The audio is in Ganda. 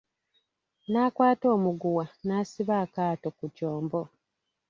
N'akwata omugwa n'asiba akaato ku kyombo.